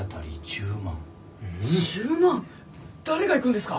１０万？誰が行くんですか。